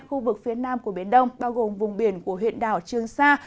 khu vực phía nam của biển đông bao gồm vùng biển của huyện đảo trương sa